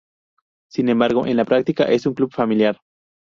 Sin embargo, en la práctica, es un club familiar.